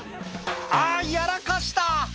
「あやらかした！」